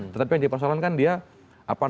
tetapi yang dipersoalkan dia